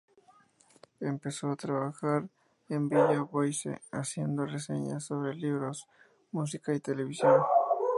Empezó a trabajar en "Village Voice", haciendo reseñas sobre libros, música y televisión.